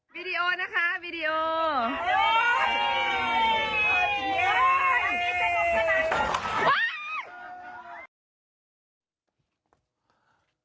วีดีโอนะคะวีดีโอ